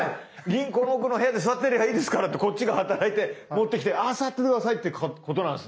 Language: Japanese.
銀行の奥の部屋で座ってればいいですからってこっちが働いて持ってきてあ座って下さいっていうことなんですね。